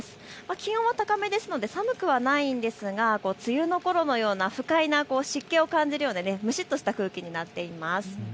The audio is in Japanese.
気温は高めですので寒くはないんですが梅雨のころのような不快な湿気を感じるようなむしっとした空気になっています。